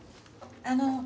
あの。